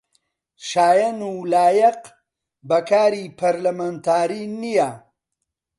شایەن و لایەق بە کاری پەرلەمانتاری نییە